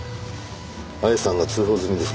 愛さんが通報済みですね。